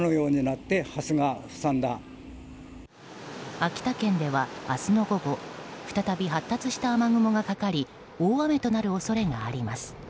秋田県では、明日の午後再び発達した雨雲がかかり大雨となる恐れがあります。